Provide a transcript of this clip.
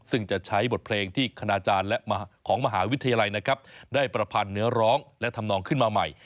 ซึ่งจะใช้บทเพลงที่คณาจารย์และของมหาวิทยาลัยนะครับได้ประพันธ์เนื้อร้องและทำนองขึ้นมาใหม่